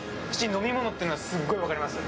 飲み物ってのはすごい分かります。